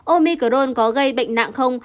omicron có gây bệnh nặng không